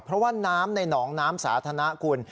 เพราะว่าน้ำในหนองน้ำสาธารณะคุณ